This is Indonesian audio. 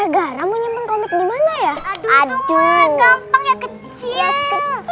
gampang ya kecil kecil